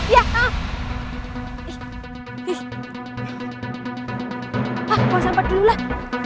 pak bawa sampah dululah